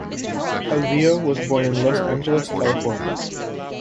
Calvillo was born in Los Angeles, California.